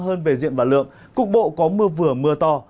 hơn về diện và lượng cục bộ có mưa vừa mưa to